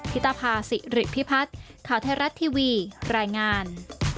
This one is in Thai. พิตาภาษีหริพิพัฒน์ข่าวเทราชทีวีรายงาน